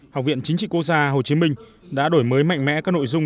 học viện chính trị quốc gia hồ chí minh đã đổi mới mạnh mẽ các nội dung